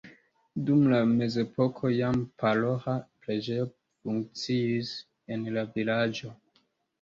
Dum la mezepoko jam paroĥa preĝejo funkciis en la vilaĝo.